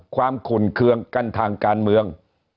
ขุ่นเคืองกันทางการเมือง